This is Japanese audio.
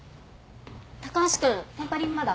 高橋君テンパリングまだ？